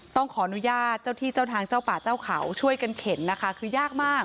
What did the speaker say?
ต้องขออนุญาตเจ้าที่เจ้าทางเจ้าป่าเจ้าเขาช่วยกันเข็นนะคะคือยากมาก